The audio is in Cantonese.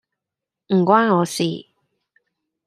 唔關我事